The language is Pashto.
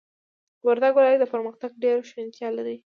وردگ ولايت د پرمختگ ډېره شونتيا لري،